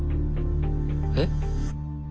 えっ？